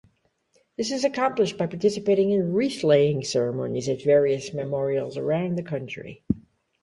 This is accomplished by participating in wreath-laying ceremonies at various memorials around the country.